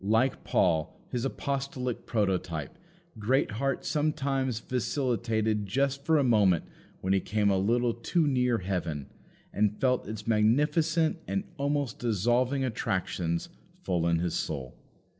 Like Paul, his apostolic prototype, Greatheart sometimes vacillated just for a moment when he came a little too near heaven, and felt its magnificent and almost dissolving attractions full in his soul.